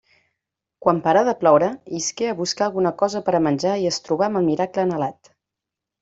Quan parà de ploure isqué a buscar alguna cosa per a menjar i es trobà amb el miracle anhelat.